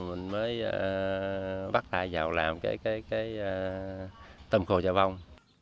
mình mới bắt ai vào làm cái cái cái tôm khô chà bông